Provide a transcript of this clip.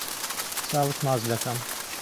چاوت ماچ دەکەم.